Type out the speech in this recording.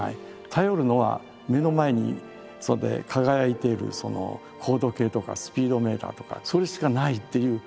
頼るのは目の前に輝いている高度計とかスピードメーターとかそれしかないっていう。